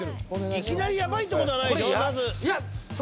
いきなりヤバいって事はないでしょ？